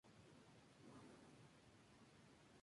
Se puede encuadrar dentro de la tendencia del constructivismo.